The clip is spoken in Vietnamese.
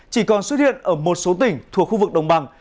chỉ còn xuất hiện ở một số tỉnh thuộc khu vực đồng bằng